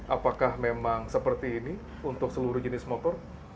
apakah memang seperti ini untuk seluruh jenis motor